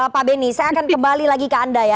pak beni saya akan kembali lagi ke anda ya